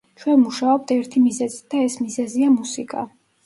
ჩვენ ვმუშაობთ ერთი მიზეზით და ეს მიზეზია მუსიკა.